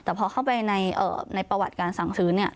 แต่พอเข้าไปในประวัติการสั่งซื้อ